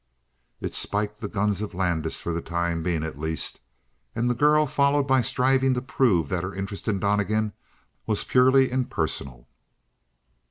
It spiked the guns of Landis for the time being, at least. And the girl followed by striving to prove that her interest in Donnegan was purely impersonal.